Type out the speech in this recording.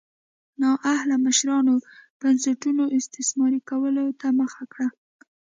نااهله مشرانو بنسټونو استثماري کولو ته مخه کړه.